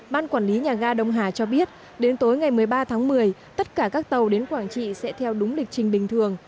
ban quản lý nhà ga đông hà cho biết đến tối ngày một mươi ba tháng một mươi tất cả các tàu đến quảng trị sẽ theo đúng lịch trình bình thường